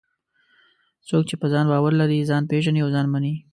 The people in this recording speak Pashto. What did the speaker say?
څوک چې په ځان باور لري، ځان پېژني او ځان مني.